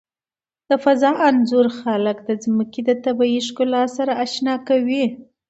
د فضا انځور خلک د ځمکې د طبیعي ښکلا سره آشنا کوي.